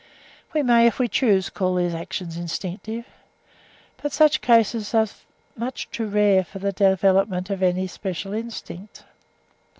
We may, if we choose, call these actions instinctive; but such cases are much too rare for the development of any special instinct.